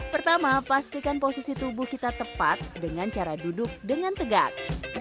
pertama pastikan posisi tubuh kita tepat dengan cara duduk dengan tegak